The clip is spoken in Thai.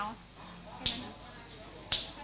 ใช่ไหมนะ